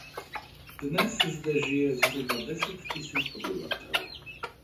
Dnes zde žije zhruba deset tisíc obyvatel.